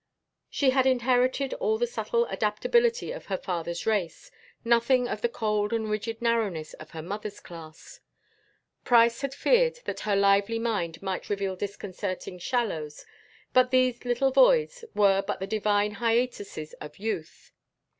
She had inherited all the subtle adaptability of her father's race, nothing of the cold and rigid narrowness of her mother's class. Price had feared that her lively mind might reveal disconcerting shallows, but these little voids were but the divine hiatuses of youth.